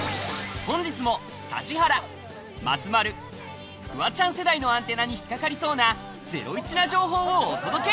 本日も指原、松丸、フワちゃん世代のアンテナに引っかかりそうなゼロイチな情報を届け。